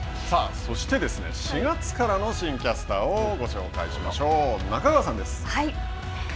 さあそして４月からの新キャスターをご紹介しましょう。